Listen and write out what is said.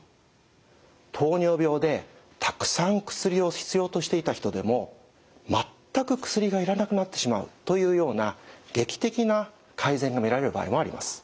糖尿病でたくさん薬を必要としていた人でも全く薬が要らなくなってしまうというような劇的な改善が見られる場合もあります。